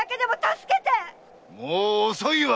もう遅いわ！